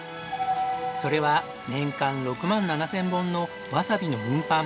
それは年間６万７０００本のわさびの運搬。